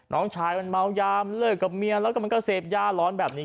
น้องชายมันเมายามเลิกกับเมียแล้วก็มันก็เสพยาร้อนแบบนี้